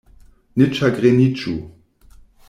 Ne ĉagreniĝu.